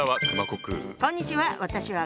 こんにちは。